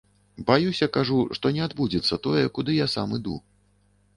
Баюся, кажу, што не адбудзецца тое, куды я сам іду.